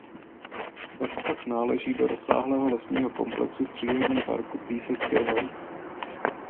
Vrch pak náleží do rozsáhlého lesního komplexu v přírodním parku Písecké hory.